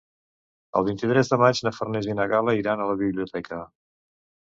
El vint-i-tres de maig na Farners i na Gal·la iran a la biblioteca.